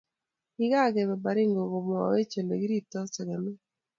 Kikakipe baringo kipawech ele kirpto sekemik